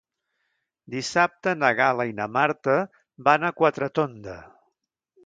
Dissabte na Gal·la i na Marta van a Quatretonda.